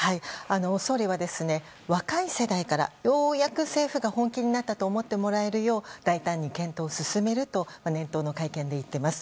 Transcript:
総理は、若い世代からようやく政府が本気になったと思ってもらえるよう大胆に検討を進めると年頭の会見で言っています。